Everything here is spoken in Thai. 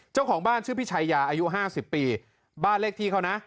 เจ้าของบ้านชื่อพี่ชายาอายุ๕๐ปีบ้านเลขที่เขานะ